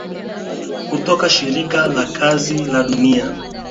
kutoka shirika la kazi la duniani